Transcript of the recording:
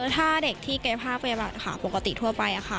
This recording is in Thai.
ถ้าเด็กที่กายภาพบรรยาบาดปกติทั่วไป